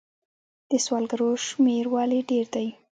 د سوالګرو شمیر ولې ډیر دی؟